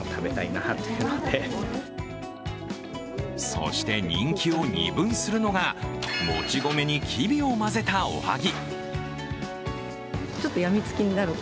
そして人気を二分するのがもち米にきびを混ぜたおはぎ。